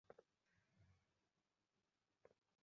তিনি ‘যুদ্ধবাজ রাজা’ নামে পরিচিত।